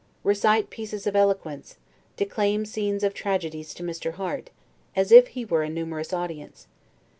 Recite pieces of eloquence, declaim scenes of tragedies to Mr. Harte, as if he were a numerous audience.